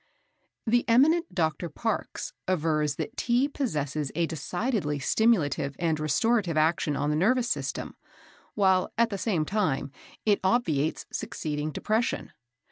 The eminent Dr. Parkes avers that Tea possesses a decidedly stimulative and restorative action on the nervous system, while, at the same time, it obviates succeeding depression.